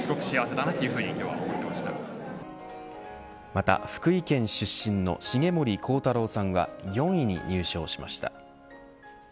また福井県出身の重森光太郎さんは４位に入賞しました。